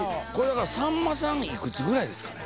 さんまさん幾つぐらいですかね？